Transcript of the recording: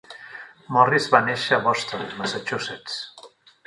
Morris va néixer a Boston, Massachusetts.